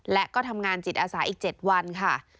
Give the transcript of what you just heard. และก็ทำงานจิตอาสาอีก๗วันค่ะ